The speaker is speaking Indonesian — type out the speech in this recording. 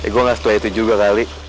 gue gak setelah itu juga kali